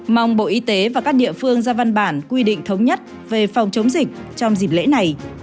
mong bộ y tế và các địa phương ra văn bản quy định thống nhất về phòng chống dịch trong dịp lễ này